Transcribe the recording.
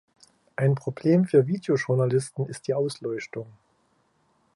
Ein Problem für Videojournalisten ist die Ausleuchtung.